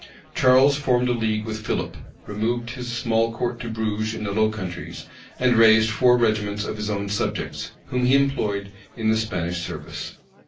Charles formed a league with Philip, removed his small court to Bruges in the Low Countries, and raised four regiments of his own subjects, whom he employed in the Spanish service.